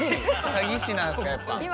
詐欺師なんすかやっぱ。